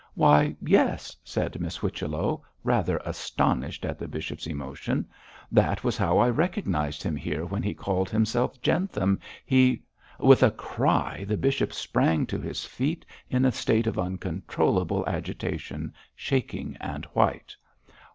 'Why, yes,' said Miss Whichello, rather astonished at the bishop's emotion; 'that was how I recognised him here when he called himself Jentham. He ' With a cry the bishop sprang to his feet in a state of uncontrollable agitation, shaking and white.